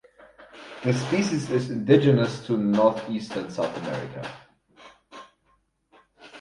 The species is indigenous to northeastern South America.